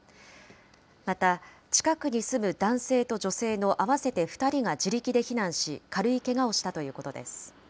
また、近くに住む男性と女性の合わせて２人が自力で避難し、軽いけがをしたということです。